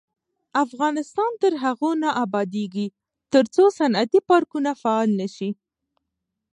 افغانستان تر هغو نه ابادیږي، ترڅو صنعتي پارکونه فعال نشي.